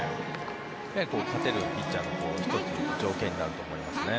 勝てるピッチャーの１つの条件になると思いますね。